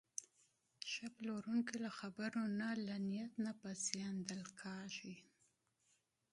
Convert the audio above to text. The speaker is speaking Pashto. ښه پلورونکی له خبرو نه، له نیت نه پېژندل کېږي.